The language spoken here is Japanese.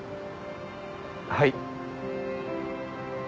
はい。